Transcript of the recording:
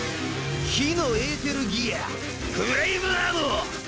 火のエーテルギアフレイムアモ！